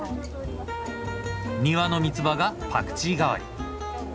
庭のみつばがパクチー代わり。